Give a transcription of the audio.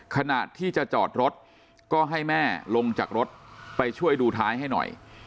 ขณะที่จะจอดรถก็ให้แม่ลงจากรถไปช่วยดูท้ายให้หน่อย